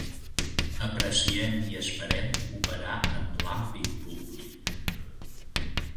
Apreciem i esperem operar en l'àmbit públic.